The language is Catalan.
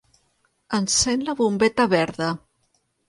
Encén la bombeta verda.